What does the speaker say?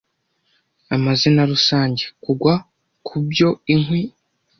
Amazina rusange - Kugwa kubyo Inkwi